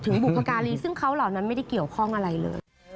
บุพการีซึ่งเขาเหล่านั้นไม่ได้เกี่ยวข้องอะไรเลย